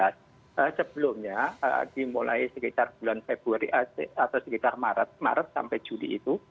sebelumnya dimulai sekitar bulan februari atau sekitar maret sampai juli itu